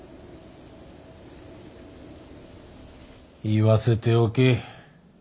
言わせておけ。